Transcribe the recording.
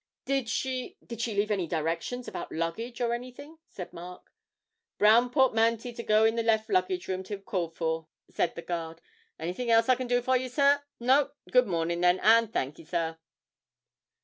'Did she did she leave any directions about luggage or anything?' said Mark. 'Brown portmanty to go in the left luggage room till called for,' said the guard. 'Anything else I can do for you, sir; no? Good mornin', then, and thanky, sir!'